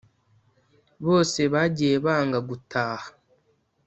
Bose bagiye banga gutaha